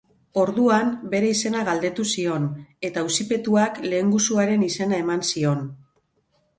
Orduan, bere izena galdetu zion, eta auzipetuak lehengusuaren izena eman zion.